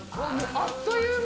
あっという間。